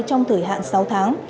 trong thời hạn sáu tháng